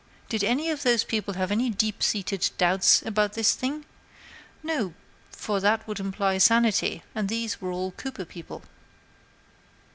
Did any of those people have any deep seated doubts about this thing? No; for that would imply sanity, and these were all Cooper people.